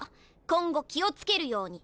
今後気を付けるように。